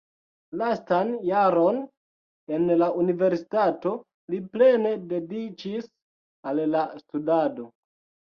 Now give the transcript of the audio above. Lastan jaron en la universitato li plene dediĉis al la studado.